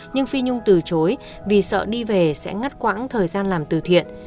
nhưng phi nhung từ chối vì sợ đi về sẽ ngắt quãng thời gian làm từ thiện